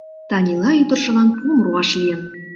Танила ӱдыржылан пуым руаш лийын.